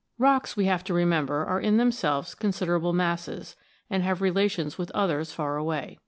Rocks, we have to remember, are in themselves considerable masses, and have relations with others far away.